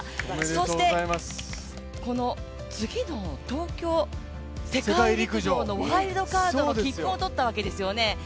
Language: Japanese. そしてこの次の東京、世界陸上のワイルドカードの切符を取ったわけですよね。